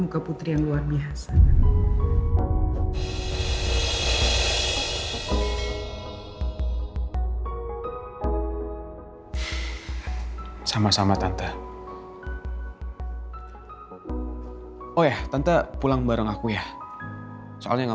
karena jangan ada yang muamah